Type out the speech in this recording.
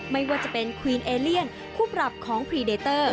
ไม่ว่าจะเป็นควีนเอเลียนคู่ปรับของพรีเดเตอร์